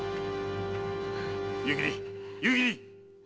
夕霧夕霧！